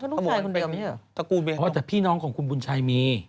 ถ้าลูกชายคุณเป็นอย่างนี้หรือตระกูลเวียนต้องอ๋อแต่พี่น้องของคุณบุญชัยมี